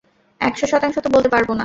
একশ শতাংশ তো বলতে পারবো না।